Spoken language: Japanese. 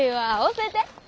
教えて！